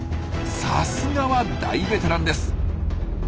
さすがは大ベテランです。